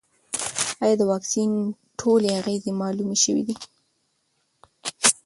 ایا د واکسین ټولې اغېزې معلومې شوې دي؟